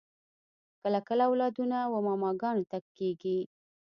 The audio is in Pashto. کله کله اولادونه و ماماګانو ته کیږي